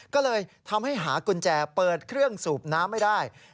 ก็เลยทำให้หากุญแจเปิดเครื่องสูบน้ำไม่ได้